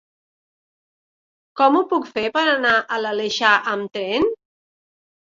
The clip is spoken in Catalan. Com ho puc fer per anar a l'Aleixar amb tren?